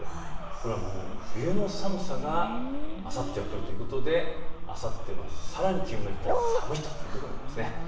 これはもう冬の寒さがあさっては来るということであさってはさらに気温が低く寒いということになります。